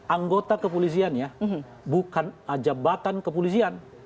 anggota kepolisian ya bukan jabatan kepolisian